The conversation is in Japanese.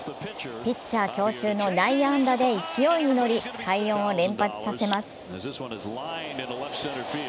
ピッチャー強襲の内野安打で勢いに乗り快音を連発させます。